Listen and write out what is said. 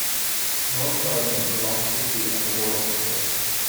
Norm Gardner lost his seat on the Board of Control.